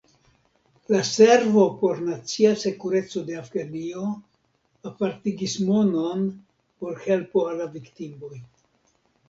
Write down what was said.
La Servo por nacia sekureco de Afganio apartigis monon por helpo al la viktimoj.